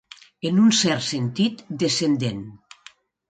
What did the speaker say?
En un cert sentit, descendent.